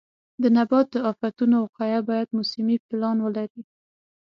د نبات د آفتونو وقایه باید موسمي پلان ولري.